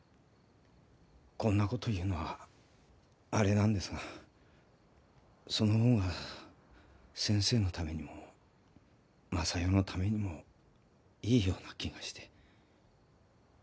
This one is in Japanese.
こんなこと言うのはあれなんですがそのほうが先生のためにも昌代のためにもいいような気がして。